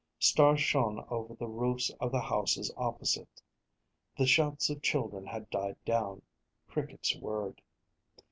Stars shone over the roofs of the houses opposite; the shouts of children had died down; crickets whirred.